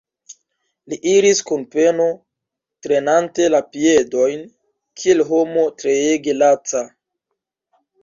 Li iris kun peno, trenante la piedojn, kiel homo treege laca.